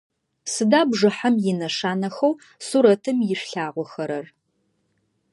Сыда бжыхьэм инэшанэхэу сурэтым ишъулъагъохэрэр?